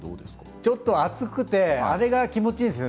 ちょっと熱くてあれが気持ちいいんですよね。